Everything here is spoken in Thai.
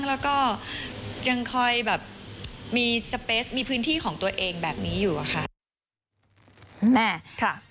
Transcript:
แล้วก็ยังคอยแบบมีสเปสมีพื้นที่ของตัวเองแบบนี้อยู่อะค่ะ